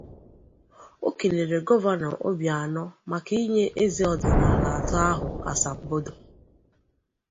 O kelere Gọvanọ Obianọ maka inye eze ọdịnala atọ ahụ asambodo